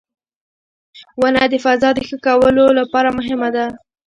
• ونه د فضا ښه کولو لپاره مهمه ده.